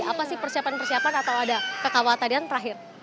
apa sih persiapan persiapan atau ada kekhawatiran terakhir